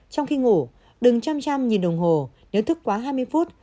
trong khi ngủ đừng chăm chăm nhìn đồng hồ nếu thức quá hai mươi phút